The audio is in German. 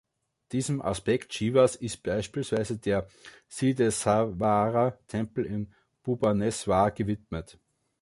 Diesem Aspekt Shivas ist beispielsweise der Siddheswara-Tempel in Bhubaneswar gewidmet.